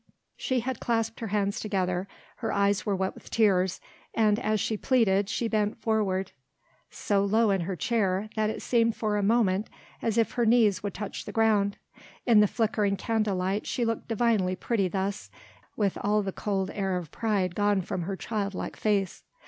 She had clasped her hands together, her eyes were wet with tears, and as she pleaded, she bent forward so low in her chair, that it seemed for a moment as if her knees would touch the ground. In the flickering candle light she looked divinely pretty thus, with all the cold air of pride gone from her childlike face.